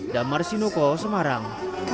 damar sinuko semarang